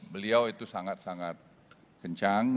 beliau itu sangat sangat kencang